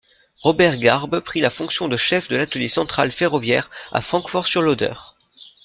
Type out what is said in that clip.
Robert Garbe pris la fonction de chef de l'atelier central ferroviaire à Francfort-sur-l'Oder.